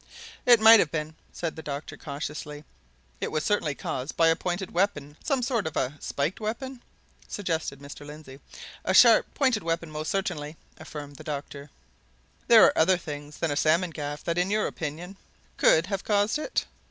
"It might have been," said the doctor cautiously. "It was certainly caused by a pointed weapon some sort of a spiked weapon?" suggested Mr. Lindsey. "A sharp, pointed weapon, most certainly," affirmed the doctor. "There are other things than a salmon gaff that, in your opinion, could have caused it?"